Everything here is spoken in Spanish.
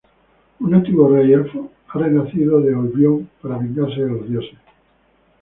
Un antiguo Rey Elfo ha renacido de Oblivion para vengarse de los Dioses.